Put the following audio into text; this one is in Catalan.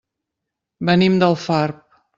Venim d'Alfarb.